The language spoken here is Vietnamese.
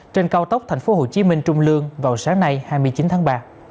trên cao tốc tp hcm trung lương vào sáng nay hai mươi chín tháng ba